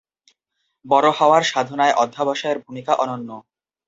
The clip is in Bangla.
বড় হওয়ার সাধনায় অধ্যবসায়ের ভূমিকা অনন্য।